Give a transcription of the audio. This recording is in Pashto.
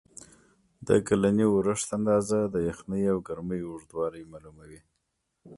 د کلني اورښت اندازه، د یخنۍ او ګرمۍ اوږدوالی معلوموي.